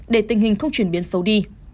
để tình hình không chuyển biến xấu đi